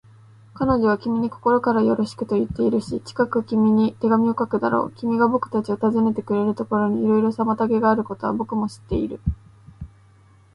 彼女は君に心からよろしくといっているし、近く君に手紙を書くだろう。君がぼくたちを訪ねてくれることにいろいろ妨げがあることは、ぼくも知っている。